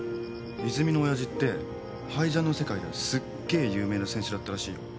泉の親父ってハイジャンの世界ではすっげえ有名な選手だったらしいよ。